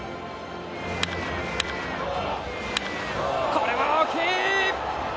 これは大きい！